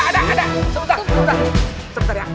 sebentar sebentar ya